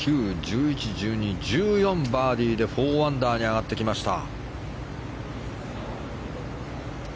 バーディーで４アンダーに上がってきました。